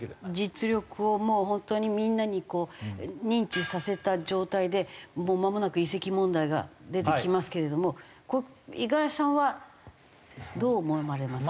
実力をもう本当にみんなにこう認知させた状態でもうまもなく移籍問題が出てきますけれどもこれ五十嵐さんはどう思われますか？